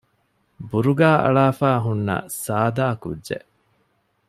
ބުރުގާ އަޅާފައި ހުންނަ ސާދަ ކުއްޖެއް